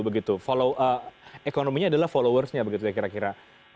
ekonominya adalah followers nya kira kira